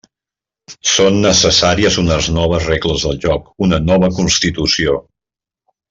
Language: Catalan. Són necessàries unes noves regles del joc, una nova Constitució.